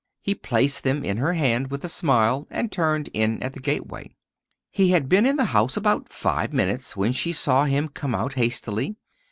He placed them in her hand with a smile, and turned in at the gateway. He had been in the house about five minutes when she saw him come out hastily.